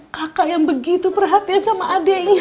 kakak yang begitu perhatian sama adiknya